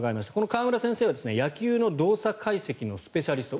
川村先生は野球の動作解析のスペシャリスト。